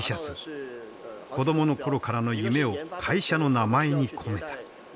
子供の頃からの夢を会社の名前に込めた。